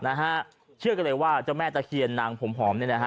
นะฮะเชื่อกันเลยว่าเจ้าแม่ตะเคียนนางผมหอมเนี่ยนะฮะ